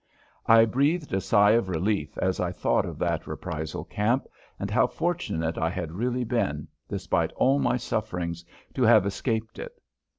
I breathed a sigh of relief as I thought of that reprisal camp and how fortunate I had really been, despite all my suffering, to have escaped it.